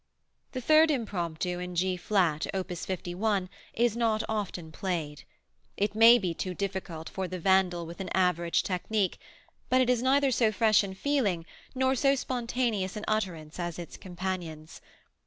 The third Impromptu in G flat, op. 51, is not often played. It may be too difficult for the vandal with an average technique, but it is neither so fresh in feeling nor so spontaneous in utterance as its companions.